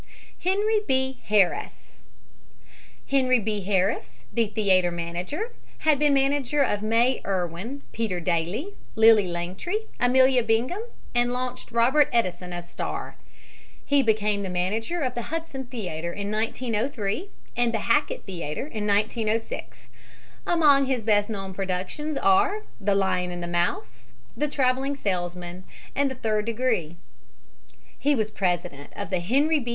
HENRY B. HARRIS Henry B. Harris, the theater manager, had been manager of May Irwin, Peter Dailey, Lily Langtry, Amelia Bingham, and launched Robert Edeson as star. He became the manager of the Hudson Theater in 1903 and the Hackett Theater in 1906. Among his best known productions are "The Lion and the Mouse," "The Traveling Salesman" and "The Third Degree." He was president of the Henry B.